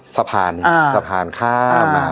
สะพานสะพานข้ามมา